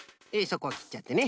そこはきっちゃってね。